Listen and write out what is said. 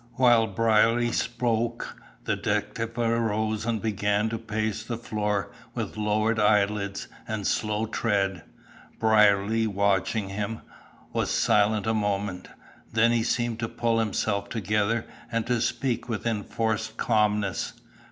While Brierly spoke, the detective arose and began to pace the floor with lowered eyelids and slow tread. Brierly watching him, was silent a moment, then he seemed to pull himself together and to speak with enforced calmness.